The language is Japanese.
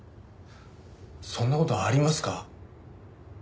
そんな事ありますか？